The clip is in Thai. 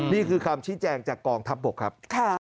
นี่คือคำชี้แจงจากกองทัพบกครับ